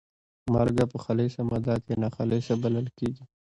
مالګه په خالصه ماده کې ناخالصه بلل کیږي.